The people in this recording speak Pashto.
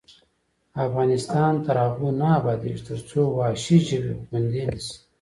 افغانستان تر هغو نه ابادیږي، ترڅو وحشي ژوي خوندي نشي.